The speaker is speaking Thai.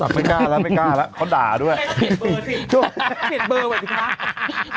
ตอนนี้มีใครกล้ารับโทรศัพท์รึเปล่า